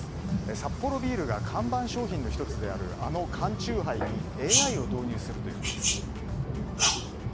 サッポロビールが看板商品の１つであるあの缶酎ハイにＡＩを導入するというのです。